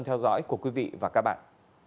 theo dõi của quý vị và các bạn